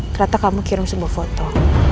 ternyata kamu kirim sebuah foto